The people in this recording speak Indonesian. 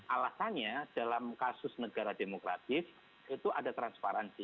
alasannya dalam kasus negara demokratis itu ada transparansi